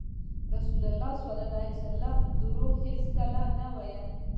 رسول الله ﷺ دروغ هېڅکله نه ویل.